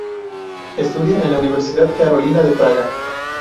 Estudia en la Universidad Carolina de Praga.